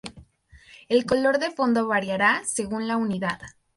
El color del fondo variará según la unidad.